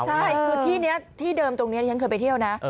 ใช่คือที่เดิมตรงนี้ฉันเคยไปเที่ยวนะ